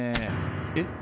えっ？